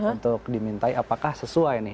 untuk dimintai apakah sesuai nih